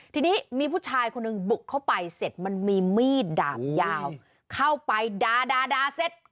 ทีนี้มีผู้ชายคนหนึ่งบุกเข้าไปเสร็จมันมีมีดดาบยาวเข้าไปด่าเสร็จ